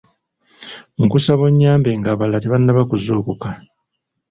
Nkusaba onyambe ng'abalala tebanaba kuzuukuka.